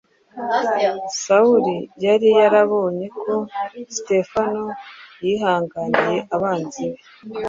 Sawuli yari yarabonye uko Sitefano yihanganiye abanzi be